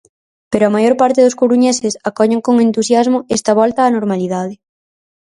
Pero a maior parte dos coruñeses acollen con entusiasmo esta volta á normalidade...